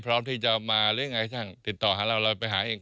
พร้อมที่จะมาหรือยังไงช่างติดต่อหาเราเราไปหาเอง